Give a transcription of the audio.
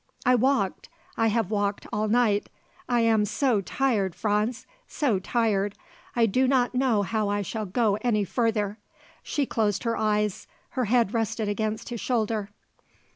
"I walked. I have walked all night. I am so tired, Franz. So tired. I do not know how I shall go any further." She closed her eyes; her head rested against his shoulder.